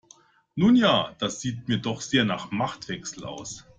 Nun ja, das sieht mir doch sehr nach Machtwechsel aus.